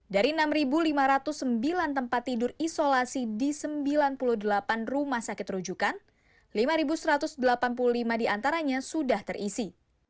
dari enam lima ratus sembilan tempat tidur isolasi di sembilan puluh delapan rumah sakit rujukan lima satu ratus delapan puluh lima diantaranya sudah terisi